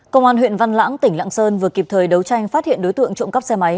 công an huyện văn lãng tỉnh lạng sơn vừa kịp thời đấu tranh phát hiện đối tượng trộm cắp xe máy